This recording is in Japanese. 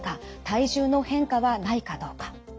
体重の変化はないかどうか。